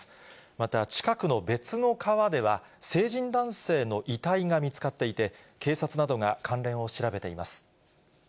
また、近くの別の川では、成人男性の遺体が見つかっていて、警察などが関連を調べています。